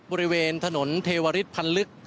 บริเวณถนนเทวริสพันธ์ลึก